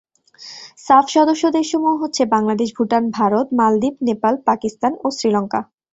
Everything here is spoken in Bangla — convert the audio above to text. সাফ সদস্য দেশ সমূহ হচ্ছে- বাংলাদেশ, ভুটান, ভারত, মালদ্বীপ, নেপাল, পাকিস্তান ও শ্রীলঙ্কা।